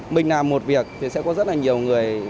mình làm một việc thì sẽ có rất là nhiều người